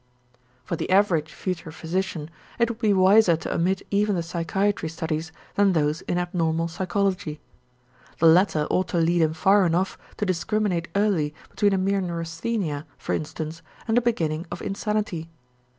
For the average future physician, it would be wiser to omit even the psychiatry studies than those in abnormal psychology. The latter ought to lead him far enough to discriminate early between a mere neurasthenia, for instance, and a beginning of insanity.